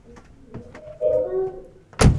সে যেন হল, কিন্তু তুমি কেমন আছ দিদি?